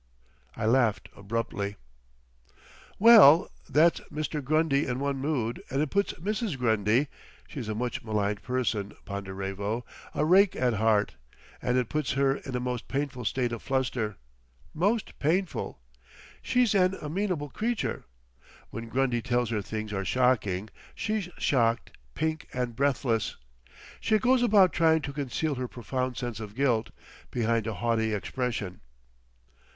I laughed abruptly. "Well, that's Mr. Grundy in one mood—and it puts Mrs. Grundy—She's a much maligned person, Ponderevo—a rake at heart—and it puts her in a most painful state of fluster—most painful! She's an amenable creature. When Grundy tells her things are shocking, she's shocked—pink and breathless. She goes about trying to conceal her profound sense of guilt behind a haughty expression....